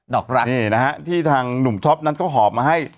อกรักนี่นะฮะที่ทางหนุ่มท็อปนั้นเขาหอบมาให้